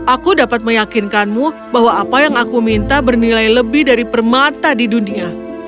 aku dapat meyakinkanmu bahwa apa yang aku minta bernilai lebih dari permata di dunia